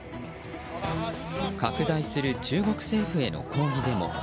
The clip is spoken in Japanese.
拡大する中国政府への抗議デモ。